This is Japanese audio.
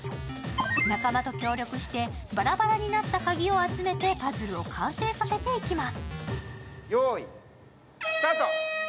仲間と協力してバラバラになった鍵を集めてパズルを完成させていきます。